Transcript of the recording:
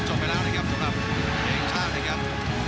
สวัสดีครับ